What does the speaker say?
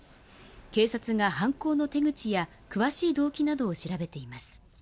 警察が犯行の手口や詳しい動機などを調べています。